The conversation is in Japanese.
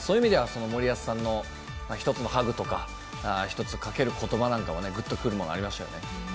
そういう意味では森保さんの一つのハグとか一つかける言葉なんかもぐっとくるものがありましたよね。